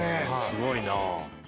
すごいな。